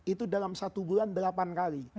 itu dalam satu bulan delapan kali